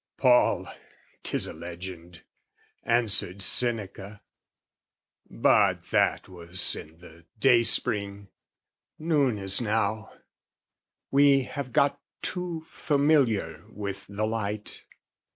Paul, 'tis a legend, answered Seneca, But that was in the day spring; noon is now We have got too familiar with the light.